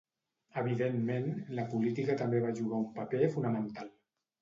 Evidentment, la política també va jugar un paper fonamental.